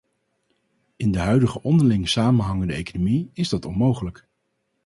In de huidige onderling samenhangende economie is dat onmogelijk.